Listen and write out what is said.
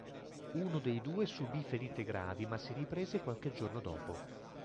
Uno dei due subì ferite gravi ma si riprese qualche giorno dopo.